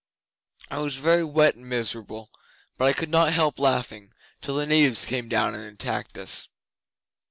I was very wet and miserable, but I could not help laughing, till the natives came down and attacked us.